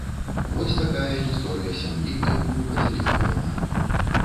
Вось такая гісторыя сям'і, якую падзяліла вайна.